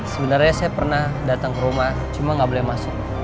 sebenarnya saya pernah datang ke rumah cuma nggak boleh masuk